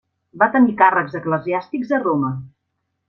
Va tenir càrrecs eclesiàstics a Roma.